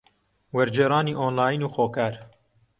وەرگێڕانی ئۆنلاین و خۆکار